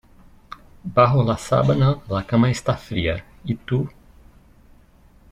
Bajo la sábana la cama está fría y tú...